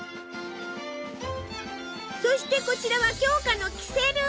そしてこちらは鏡花のキセル。